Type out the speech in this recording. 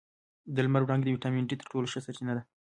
د لمر وړانګې د ویټامین ډي تر ټولو ښه سرچینه ده